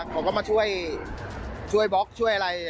เขาก็มาช่วยบล็อกช่วยอะไร